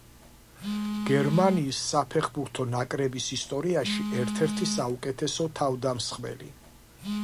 გერმანიის საფეხბურთო ნაკრების ისტორიაში ერთ-ერთი საუკეთესო თავდამსხმელი.